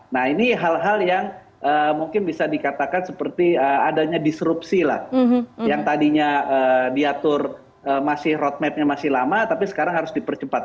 nah ini hal hal yang mungkin bisa dikatakan seperti adanya disrupsi lah yang tadinya diatur masih roadmapnya masih lama tapi sekarang harus dipercepat